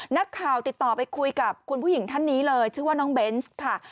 นักข่าวติดต่อไปคุยกับคุณผู้หญิงท่านนี้เลยชื่อว่าน้องเบนส์ค่ะ